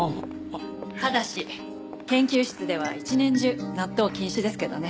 ただし研究室では一年中納豆禁止ですけどね。